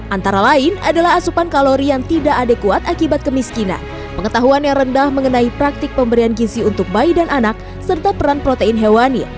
antara lain adalah asupan kalori yang tidak adekuat akibat kemiskinan pengetahuan yang rendah mengenai praktik pemberian gizi untuk bayi dan anak serta peran protein hewani